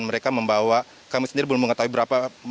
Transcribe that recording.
mereka membawa kami sendiri belum mengetahui berapa